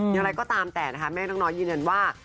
อย่างไรก็ตามแต่นะคะแม่นกนอยยินว่า